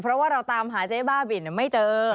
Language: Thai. เพราะว่าเราตามหาเจ๊บ้าบินไม่เจอ